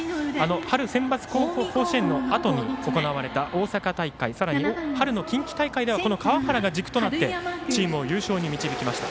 春センバツ甲子園のあとに行われた大阪大会さらに春の近畿大会ではこの川原が軸となってチームを優勝に導きました。